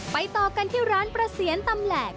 ต่อกันที่ร้านประเสียนตำแหลก